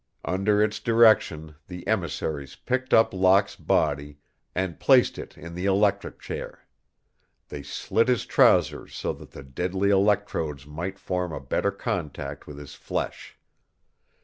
Under its direction the emissaries picked up Locke's body and placed it in the electric chair. They slit his trousers so that the deadly electrodes might form a better contact with his flesh.